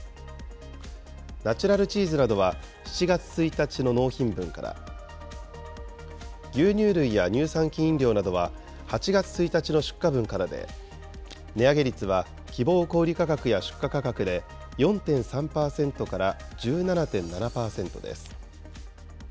ナチュラルチーズなどは７月１日の納品分から、牛乳類や乳酸菌飲料などは８月１日の出荷分からで、値上げ率は、希望小売価格や出荷価格で４．３％から１７．７％です。